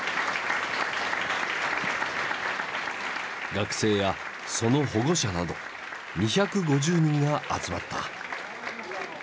学生やその保護者など２５０人が集まった。